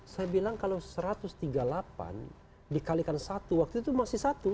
saya bilang kalau satu ratus tiga puluh delapan dikalikan satu waktu itu masih satu